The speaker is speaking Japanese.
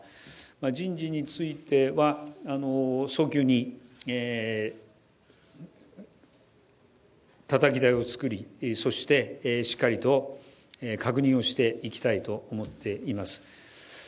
人事については早急にたたき台を作りしっかりと確認をしていきたいと思っています。